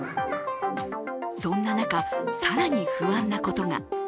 そんな中、更に不安なことが。